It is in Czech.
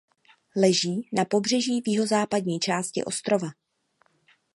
Leží na pobřeží v jihozápadní části ostrova.